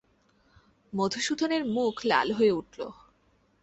মধুসূদনের মুখ লাল হয়ে উঠল।